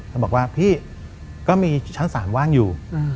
แล้วบอกว่าพี่ก็มีชั้น๓ว่างอยู่